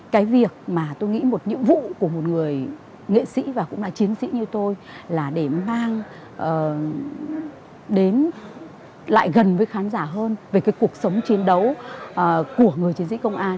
cái việc mà tôi nghĩ một nhiệm vụ của một người nghệ sĩ và cũng là chiến sĩ như tôi là để mang đến lại gần với khán giả hơn về cái cuộc sống chiến đấu của người chiến sĩ công an